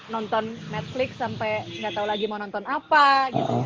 nonton netflix sampai gak tau lagi mau nonton apa gitu ya